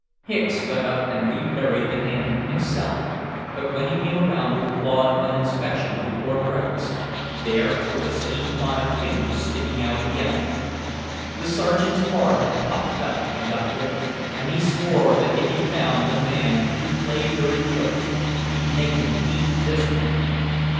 Hicks got up and re buried the hand himself, but when he came around with Claude on inspection, before breakfast, there were the same five fingers sticking out again. The Sergeant's forehead puffed up and got red, and he swore that if he found the man who played dirty jokes, he'd make him eat this one.